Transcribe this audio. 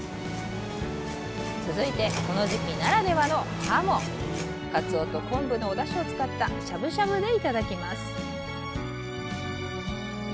続いてこの時季ならではのはもかつおと昆布のおだしを使ったしゃぶしゃぶで頂きます